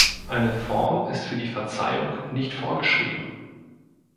Eine Form ist für die Verzeihung nicht vorgeschrieben.